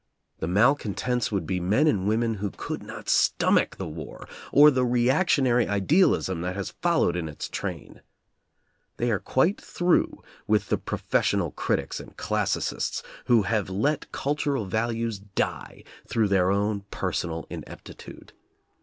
The malcontents would be men and women who could not stomach the war, or the reactionary idealism that has followed in its train. They are quite through with the professional critics and classicists who have let cultural values die through their own personal ineptitude.